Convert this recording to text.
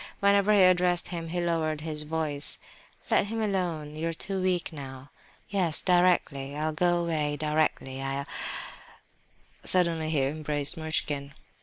Whenever he addressed him he lowered his voice. "Let them alone, you're too weak now—" "Yes, directly; I'll go away directly. I'll—" Suddenly he embraced Muishkin.